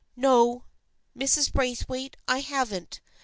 " No, Mrs. Braithwaite, I haven't.